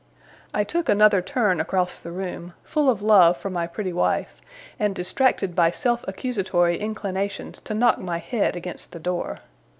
I took another turn across the room, full of love for my pretty wife, and distracted by self accusatory inclinations to knock my head against the door.